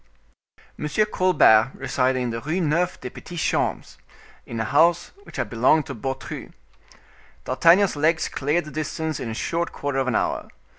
M Colbert resided in the Rue Neuve des Petits Champs, in a house which had belonged to Beautru. D'Artagnan's legs cleared the distance in a short quarter of an hour.